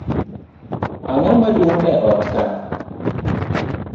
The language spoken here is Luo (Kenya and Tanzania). Ang'oma dung' e ot kaa?